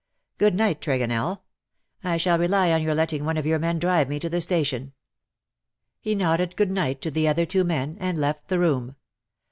Good night, Tregonell. I shall rely on your letting one of your men drive me to the station/' He nodded good night to the other two men, and left the room.